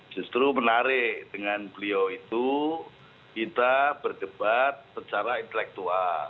justru menarik dengan beliau itu kita berdebat secara intelektual